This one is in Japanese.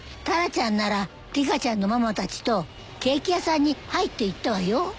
タラちゃんならリカちゃんのママたちとケーキ屋さんに入っていったわよ。